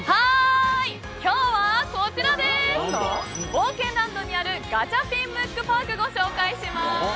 今日は冒険ランドにあるガチャピン・ムックパークをご紹介します！